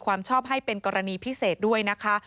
ความชอบให้เป็นกรณีพิเศษด้วยนะคะ